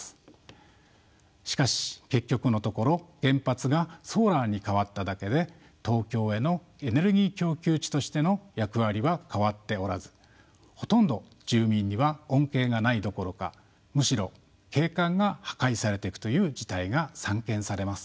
しかし結局のところ原発がソーラーに変わっただけで東京へのエネルギー供給地としての役割は変わっておらずほとんど住民には恩恵がないどころかむしろ景観が破壊されていくという事態が散見されます。